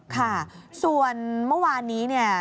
ค่ะส่วนเมื่อวานนี้